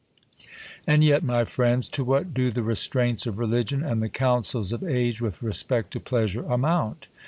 And yet, my friends, to what do the restraints of religion, and the counsels of age, with respect to pleasure, amount